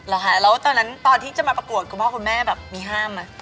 ค่ะแล้วตอนนั้นตอนที่จะมาประกวดคุณพ่อคุณแม่แบบมีห้ามไหม